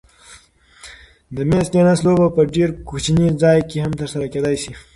د مېز تېنس لوبه په ډېر کوچني ځای کې هم ترسره کېدای شي.